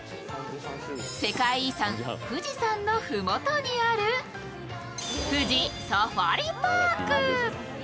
世界遺産、富士山のふもとにある富士サファリパーク。